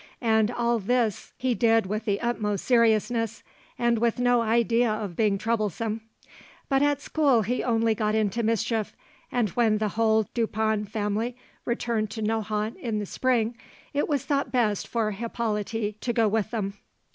And all this he did with the utmost seriousness, and with no idea of being troublesome. But at school he only got into mischief, and when the whole Dupin family returned to Nohant in the spring, it was thought best for Hippolyte to go with them.